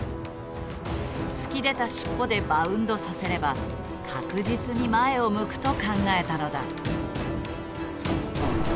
突き出たシッポでバウンドさせれば確実に前を向くと考えたのだ。